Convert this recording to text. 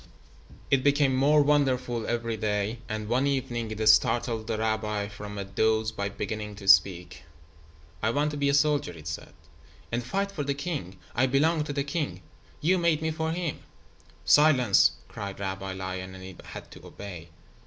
It became more wonderful every day, and one evening it startled the rabbi from a doze by beginning to speak. "I want to be a soldier," it said, "and fight for the king. I belong to the king. You made me for him." "Silence," cried Rabbi Lion, and it had to obey.